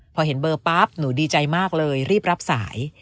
พอเห็นเบอร์ปั๊บหนูดีใจมากเลยรีบรับสาย